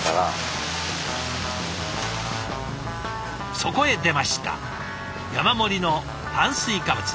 そこへ出ました山盛りの炭水化物。